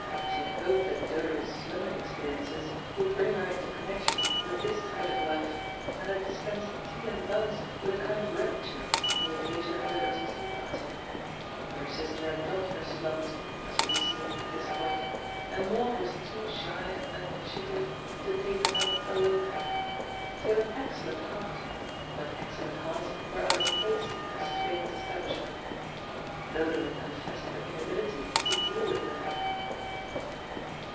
She had hoped that Dodo's slumming experiences would bring her into connection with this side of life, and had dispensed tea and buns with a kind of rapture on the occasion of Dodo's tea party, but her sister had dropped her slums, as we have seen, at this point, and Maud was too shy and uninitiative to take them up alone. She had an excellent heart, but excellent hearts were out of place in Mrs. Vane's establishment. Dodo had confessed her inability to deal with them.